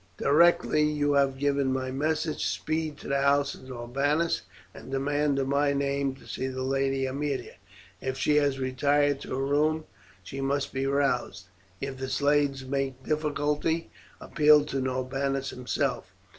Directly you have given my message speed to the house of Norbanus, and demand in my name to see the lady Aemilia. If she has retired to her room she must be roused. If the slaves make difficulty, appeal to Norbanus himself.